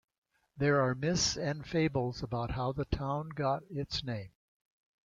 There are myths and fables about how the town got its name.